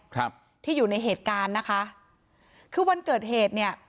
ครับที่อยู่ในเหตุการณ์นะคะคือวันเกิดเหตุเนี้ย